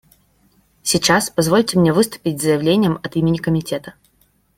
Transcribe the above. Сейчас позвольте мне выступить с заявлением от имени Комитета.